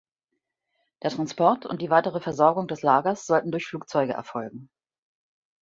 Der Transport und die weitere Versorgung des Lagers sollten durch Flugzeuge erfolgen.